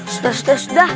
sudah sudah sudah